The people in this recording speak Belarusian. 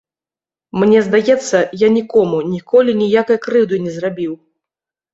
Мне здаецца, я нікому ніколі ніякай крыўды не зрабіў.